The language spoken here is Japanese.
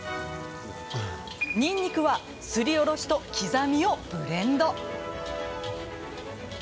にんにくはすりおろしと刻みをブレンド。